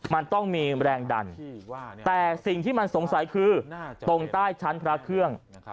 มันต้องมีแรงดันแต่สิ่งที่มันสงสัยคือตรงใต้ชั้นพระเครื่อง